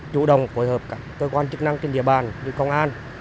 chủ động phối hợp các cơ quan chức năng trên địa bàn như công an